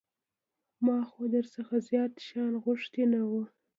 ما خو در څخه زيات شيان غوښتي نه وو.